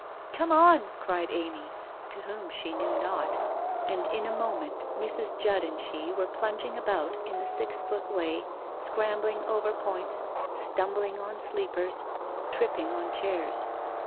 1 Come on! ' cried Amy, to whom she knew not, and in a moment Mr . Judd and she were plunging about in the six foot way, scrambling over points, stumbling on sleepers, tripping on chairs.